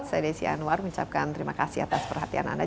saya desi anwar mengucapkan terima kasih atas perhatian anda